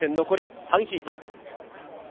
残り３ヒート。